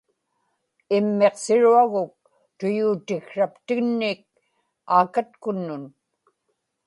immiqsiruaguk tuyuutiksraptinnik aakatkunnun